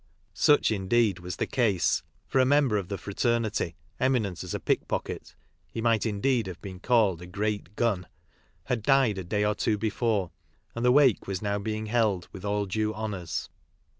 Such, indeed, was the case, for a member of tbe fraternity, eminent as a pickpocket — he might indeed have been called a great "gun" — had died a day or two before, and the wake was now being held with all due honours.